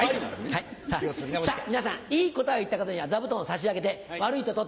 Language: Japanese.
さぁ皆さんいい答えを言った方には座布団を差し上げて悪いと取って。